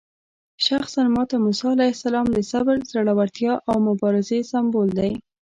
شخصاً ماته موسی علیه السلام د صبر، زړورتیا او مبارزې سمبول دی.